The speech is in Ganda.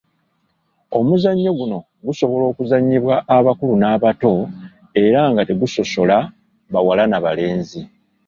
Omuzannyo guno gusobola okuzannyibwa abakulu n’abato era nga tegusosola bawala n’abalenzi.